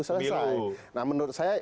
selesai nah menurut saya